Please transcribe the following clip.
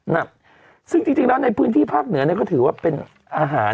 หนักซึ่งจริงแล้วในพื้นที่ภาคเหนือเนี่ยก็ถือว่าเป็นอาหาร